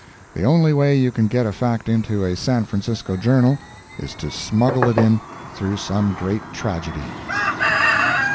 The only way you can get a fact into a San Francisco journal is to smuggle it in through some great tragedy.